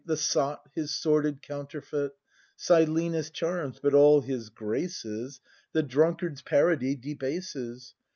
The sot, his sordid counterfeit; Silenus charms; but all his graces The drunkard's parody debases.